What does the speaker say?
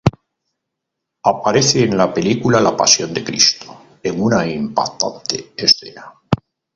Aparece en la película La Pasión de Cristo en una impactante escena.